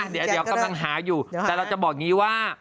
เดี๋ยวกำลังหาอยู่แต่เราจะบอกอย่างนี้ว่า